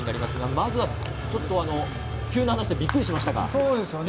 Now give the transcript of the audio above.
まずは急な話でびっくりしましたね。